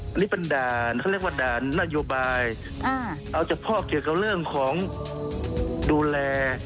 อันนี้เป็นด่านเขาเรียกว่าด่านนโยบายเอาเฉพาะเกี่ยวกับเรื่องของดูแล